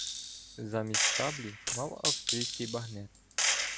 Замість шаблі мав австрійський багнет.